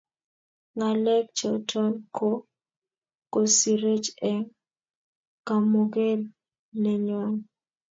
ngalek choton ko kosirech eng' kamuget nenyon